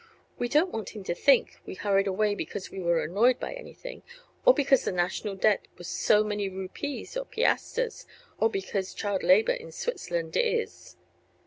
We don't want him to think we hurried away because we were annoyed by anything, or because the national debt was so many rupees or piasters, or because child labor in Switzerland is